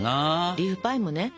リーフパイもね